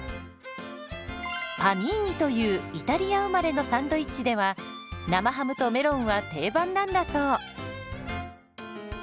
「パニーニ」というイタリア生まれのサンドイッチでは生ハムとメロンは定番なんだそう。